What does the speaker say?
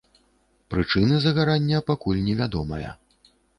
Прычыны загарання пакуль не вядомая.